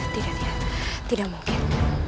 tidak tidak tidak mungkin